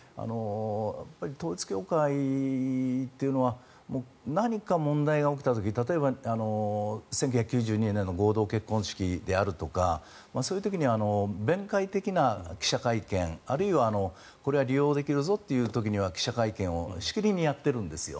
統一教会っていうのは何か問題が起きた時例えば、１９９２年の合同結婚式であるとかそういう時に弁解的な記者会見あるいは、これは利用できるぞっていう時には記者会見をしきりにやっているんですよ。